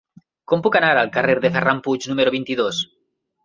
Com puc anar al carrer de Ferran Puig número vint-i-dos?